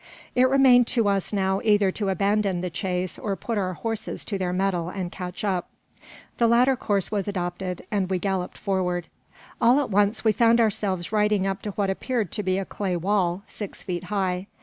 It remained to us now either to abandon the chase or put our horses to their mettle and catch up. The latter course was adopted, and we galloped forward. All at once we found ourselves riding up to what appeared to be a clay wall, six feet high.